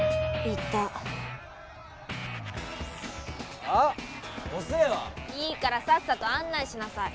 いたあっ遅えわいいからさっさと案内しなさい